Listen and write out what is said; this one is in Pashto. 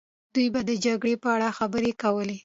دوی به د جګړې په اړه خبرې کولې.